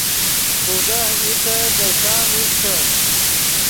پوگہ ایتے دے شام ایستے